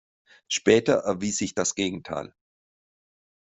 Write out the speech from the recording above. Später erwies sich das Gegenteil.